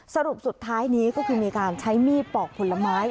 สรุปสุดท้ายนี้ก็คือมีการใช้มีดปอกผลไม้